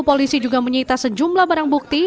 polisi juga menyita sejumlah barang bukti